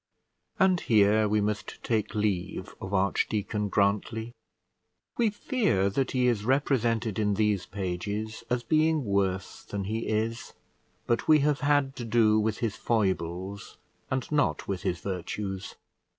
And here we must take leave of Archdeacon Grantly. We fear that he is represented in these pages as being worse than he is; but we have had to do with his foibles, and not with his virtues.